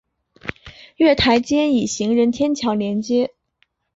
月台间以行人天桥连接。